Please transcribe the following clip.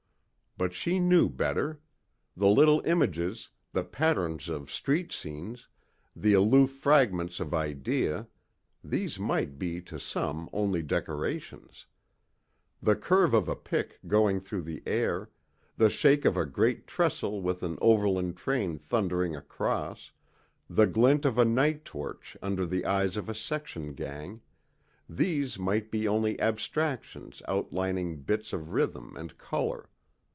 But she knew better. The little images, the patterns of street scenes, the aloof fragments of idea these might be to some only decorations. The curve of a pick going through the air, the shake of a great trestle with an overland train thundering across, the glint of a night torch under the eyes of a section gang these might be only abstractions outlining bits of rhythm and color.